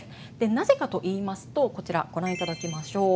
なぜかといいますとこちらご覧いただきましょう。